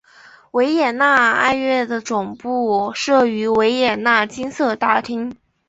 维也纳爱乐的总部设于维也纳金色大厅。